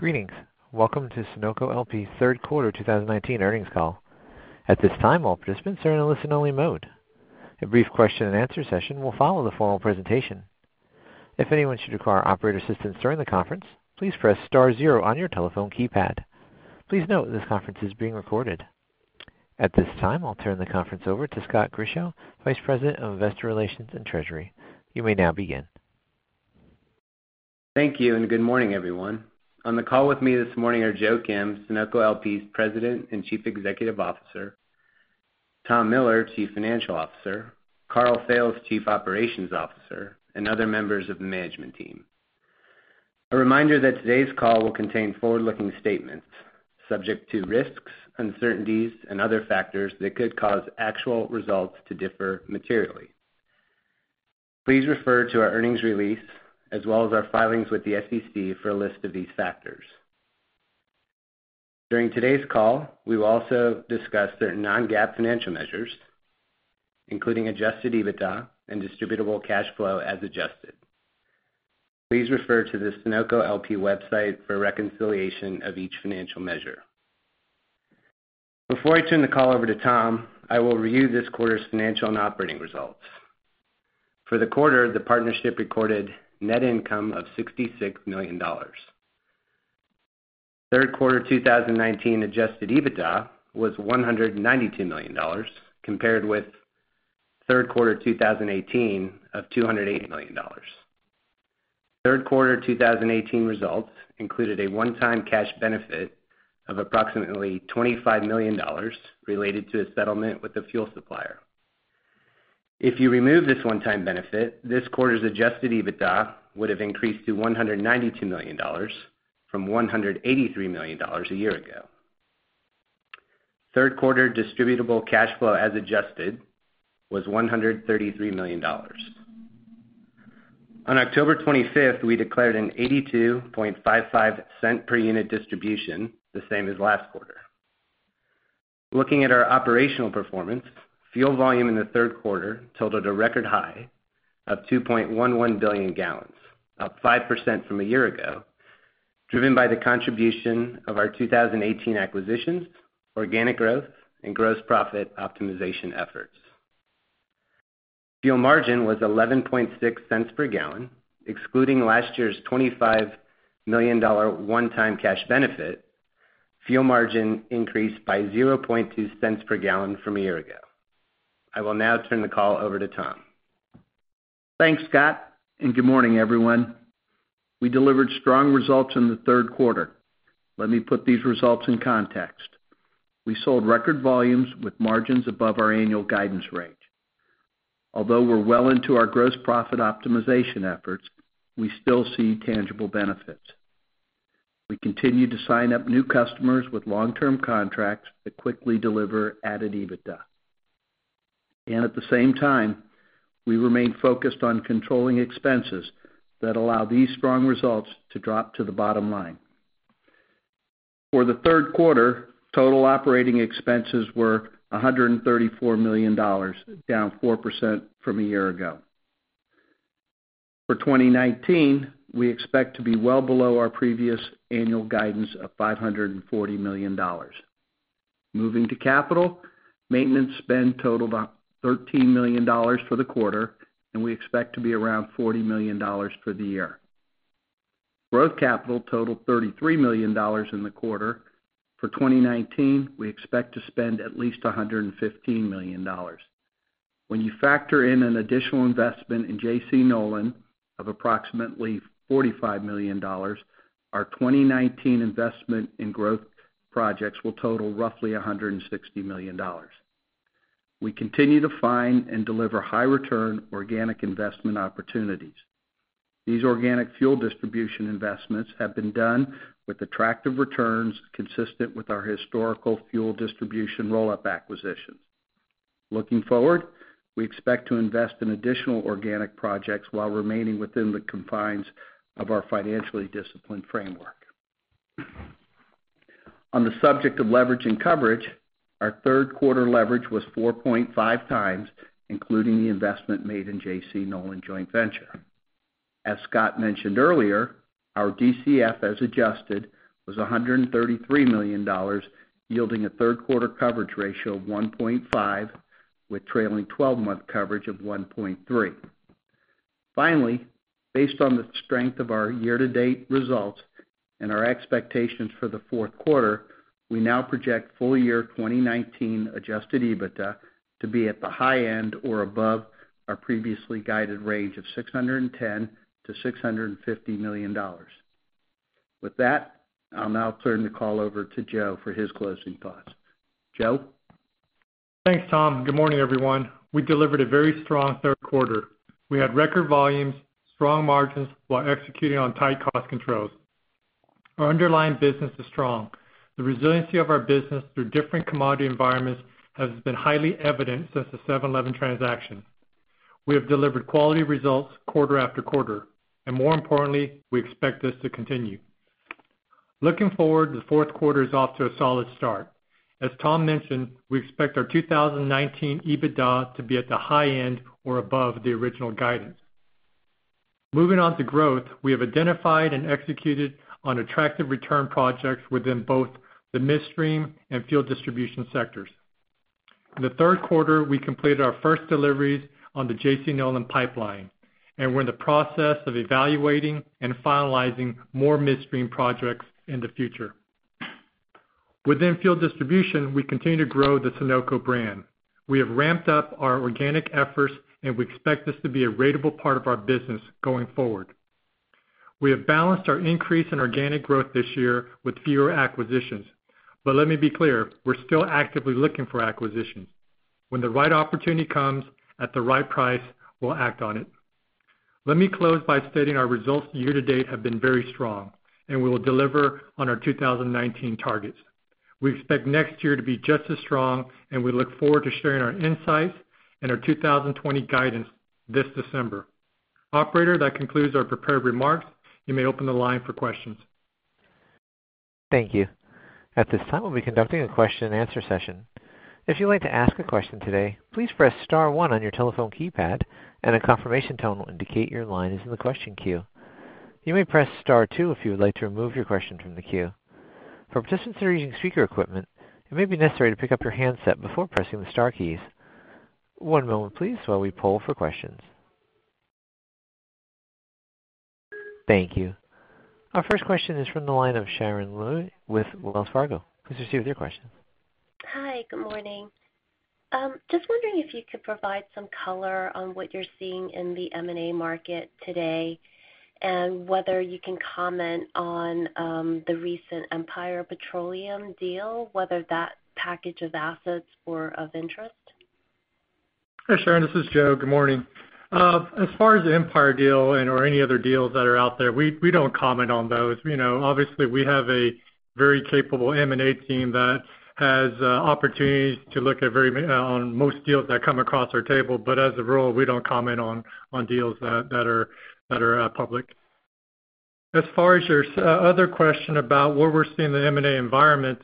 Greetings. Welcome to Sunoco LP's third quarter 2019 earnings call. At this time, all participants are in a listen-only mode. A brief question and answer session will follow the formal presentation. If anyone should require operator assistance during the conference, please press star zero on your telephone keypad. Please note this conference is being recorded. At this time, I'll turn the conference over to Scott Grischow, Vice President of Investor Relations and Treasury. You may now begin. Thank you, good morning, everyone. On the call with me this morning are Joe Kim, Sunoco LP's President and Chief Executive Officer, Tom Miller, Chief Financial Officer, Karl Fails, Chief Operations Officer, other members of the management team. A reminder that today's call will contain forward-looking statements subject to risks, uncertainties, and other factors that could cause actual results to differ materially. Please refer to our earnings release as well as our filings with the SEC for a list of these factors. During today's call, we will also discuss certain non-GAAP financial measures, including adjusted EBITDA and distributable cash flow as adjusted. Please refer to the Sunoco LP website for a reconciliation of each financial measure. Before I turn the call over to Tom, I will review this quarter's financial and operating results. For the quarter, the partnership recorded net income of $66 million. Third quarter 2019 adjusted EBITDA was $192 million, compared with third quarter 2018 of $208 million. Third quarter 2018 results included a one-time cash benefit of approximately $25 million related to a settlement with the fuel supplier. If you remove this one-time benefit, this quarter's adjusted EBITDA would have increased to $192 million from $183 million a year ago. Third-quarter distributable cash flow as adjusted was $133 million. On October 25th, we declared an $0.8255 per unit distribution, the same as last quarter. Looking at our operational performance, fuel volume in the third quarter totaled a record high of 2.11 billion gallons, up 5% from a year ago, driven by the contribution of our 2018 acquisitions, organic growth, and gross profit optimization efforts. Fuel margin was $0.116 per gallon. Excluding last year's $25 million one-time cash benefit, fuel margin increased by $0.002 per gallon from a year ago. I will now turn the call over to Tom. Thanks, Scott. Good morning, everyone. We delivered strong results in the third quarter. Let me put these results in context. We sold record volumes with margins above our annual guidance range. Although we're well into our gross profit optimization efforts, we still see tangible benefits. We continue to sign up new customers with long-term contracts that quickly deliver added EBITDA. At the same time, we remain focused on controlling expenses that allow these strong results to drop to the bottom line. For the third quarter, total operating expenses were $134 million, down 4% from a year ago. For 2019, we expect to be well below our previous annual guidance of $540 million. Moving to capital, maintenance spend totaled about $13 million for the quarter. We expect to be around $40 million for the year. Growth capital totaled $33 million in the quarter. For 2019, we expect to spend at least $115 million. When you factor in an additional investment in J.C. Nolan of approximately $45 million, our 2019 investment in growth projects will total roughly $160 million. We continue to find and deliver high-return organic investment opportunities. These organic fuel distribution investments have been done with attractive returns consistent with our historical fuel distribution roll-up acquisitions. Looking forward, we expect to invest in additional organic projects while remaining within the confines of our financially disciplined framework. On the subject of leverage and coverage, our third quarter leverage was 4.5 times, including the investment made in J.C. Nolan joint venture. As Scott mentioned earlier, our DCF as adjusted was $133 million, yielding a third-quarter coverage ratio of 1.5, with trailing 12-month coverage of 1.3. Finally, based on the strength of our year-to-date results and our expectations for the fourth quarter, we now project full-year 2019 Adjusted EBITDA to be at the high end or above our previously guided range of $610 million-$650 million. With that, I'll now turn the call over to Joe for his closing thoughts. Joe? Thanks, Tom. Good morning, everyone. We delivered a very strong third quarter. We had record volumes, strong margins while executing on tight cost controls. Our underlying business is strong. The resiliency of our business through different commodity environments has been highly evident since the 7-Eleven transaction. We have delivered quality results quarter after quarter, and more importantly, we expect this to continue. Looking forward, the fourth quarter is off to a solid start. As Tom mentioned, we expect our 2019 EBITDA to be at the high end or above the original guidance. Moving on to growth, we have identified and executed on attractive return projects within both the midstream and fuel distribution sectors. In the third quarter, we completed our first deliveries on the J.C. Nolan pipeline, and we're in the process of evaluating and finalizing more midstream projects in the future. Within fuel distribution, we continue to grow the Sunoco brand. We have ramped up our organic efforts, and we expect this to be a ratable part of our business going forward. We have balanced our increase in organic growth this year with fewer acquisitions. Let me be clear, we're still actively looking for acquisitions. When the right opportunity comes at the right price, we'll act on it. Let me close by stating our results year to date have been very strong, and we will deliver on our 2019 targets. We expect next year to be just as strong, and we look forward to sharing our insights and our 2020 guidance this December. Operator, that concludes our prepared remarks. You may open the line for questions. Thank you. At this time, we'll be conducting a question and answer session. If you'd like to ask a question today, please press star one on your telephone keypad, and a confirmation tone will indicate your line is in the question queue. You may press star two if you would like to remove your question from the queue. For participants that are using speaker equipment, it may be necessary to pick up your handset before pressing the star keys. One moment, please, while we poll for questions. Thank you. Our first question is from the line of Sharon Lui with Wells Fargo. Please proceed with your question. Hi, good morning. Just wondering if you could provide some color on what you're seeing in the M&A market today, and whether you can comment on the recent Empire Petroleum deal, whether that package of assets were of interest. Hi, Sharon. This is Joe. Good morning. As far as the Empire deal or any other deals that are out there, we don't comment on those. Obviously, we have a very capable M&A team that has opportunities to look on most deals that come across our table, but as a rule, we don't comment on deals that are public. As far as your other question about what we're seeing in the M&A environment,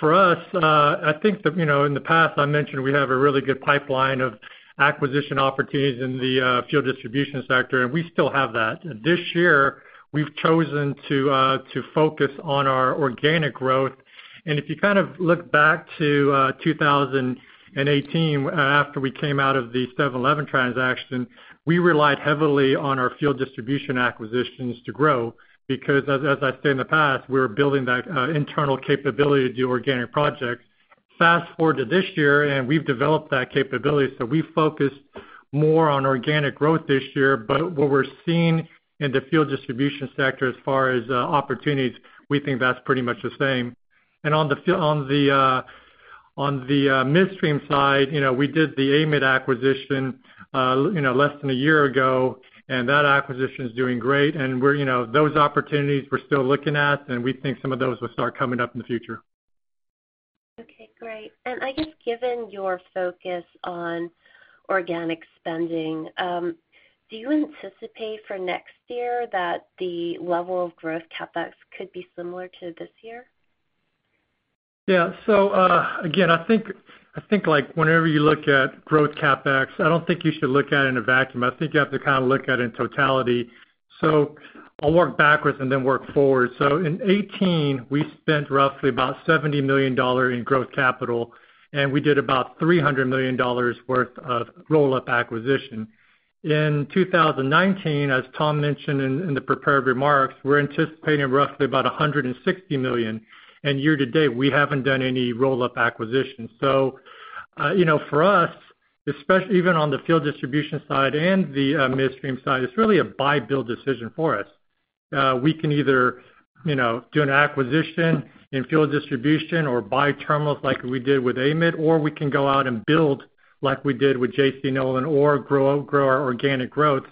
for us, I think that in the past, I mentioned we have a really good pipeline of acquisition opportunities in the fuel distribution sector, and we still have that. This year, we've chosen to focus on our organic growth. If you look back to 2018, after we came out of the 7-Eleven transaction, we relied heavily on our fuel distribution acquisitions to grow because, as I've said in the past, we were building that internal capability to do organic projects. Fast-forward to this year, and we've developed that capability. We focused more on organic growth this year. What we're seeing in the fuel distribution sector as far as opportunities, we think that's pretty much the same. On the midstream side, we did the AMID acquisition less than a year ago, and that acquisition is doing great, and those opportunities we're still looking at, and we think some of those will start coming up in the future. Okay, great. I guess given your focus on organic spending, do you anticipate for next year that the level of growth CapEx could be similar to this year? Again, I think whenever you look at growth CapEx, I don't think you should look at it in a vacuum. I think you have to look at it in totality. I'll work backwards and then work forward. In 2018, we spent roughly about $70 million in growth capital, and we did about $300 million worth of roll-up acquisition. In 2019, as Tom mentioned in the prepared remarks, we're anticipating roughly about $160 million, and year-to-date, we haven't done any roll-up acquisitions. For us, even on the fuel distribution side and the midstream side, it's really a buy/build decision for us. We can either do an acquisition in fuel distribution or buy terminals like we did with AMID, or we can go out and build, like we did with J.C. Nolan, or grow our organic growth.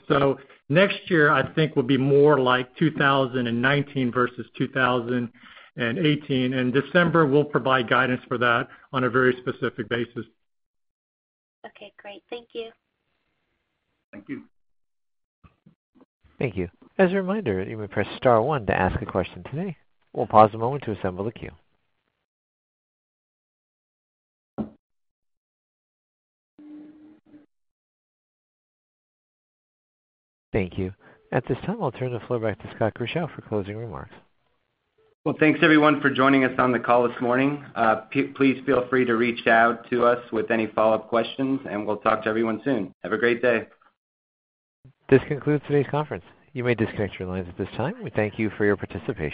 Next year, I think, will be more like 2019 versus 2018, and December we'll provide guidance for that on a very specific basis. Okay, great. Thank you. Thank you. Thank you. As a reminder, you may press star one to ask a question today. We'll pause a moment to assemble the queue. Thank you. At this time, I'll turn the floor back to Scott Grischow for closing remarks. Well, thanks everyone for joining us on the call this morning. Please feel free to reach out to us with any follow-up questions. We'll talk to everyone soon. Have a great day. This concludes today's conference. You may disconnect your lines at this time. We thank you for your participation.